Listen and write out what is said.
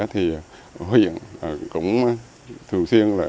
thì huyện cũng thường xuyên là